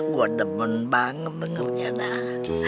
gue demen banget dengarnya dah